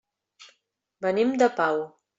Venim de Pau.